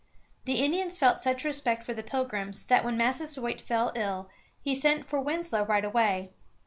The Indians felt such respect for the Pilgrims that when Massasoit fell ill he sent for Winslow right away.